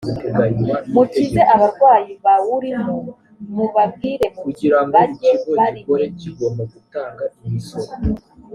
mukize abarwayi bawurimo mubabwire muti bajye barimenjye